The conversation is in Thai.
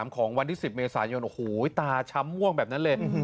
ของวันที่๑๐เมษายนโอ้โหตาช้ำม่วงแบบนั้นเลย